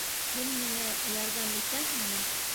Һин миңә ярҙам итәһеңме?